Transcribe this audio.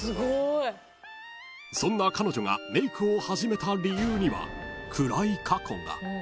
［そんな彼女がメイクを始めた理由には］